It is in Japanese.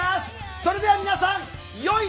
それでは皆さんよいお年を。